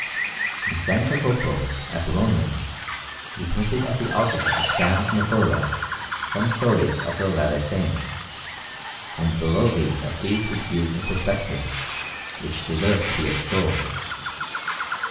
In S. Jacopo, at Bologna, he painted at the altar of S. Niccola some stories of the latter Saint, and below these a frieze with views in perspective, which deserve to be extolled.